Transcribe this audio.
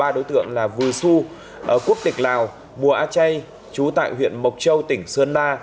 ba đối tượng là vư xu quốc tịch lào mùa á chay trú tại huyện mộc châu tỉnh sơn la